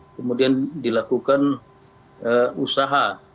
kemudian dilakukan usaha